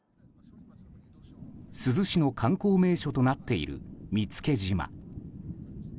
珠洲市の観光名所となっている見附島。